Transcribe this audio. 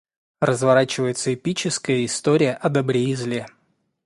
разворачивается эпическая история о добре и зле